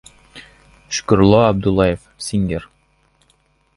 Shokhrullo Abdullaev —— Singer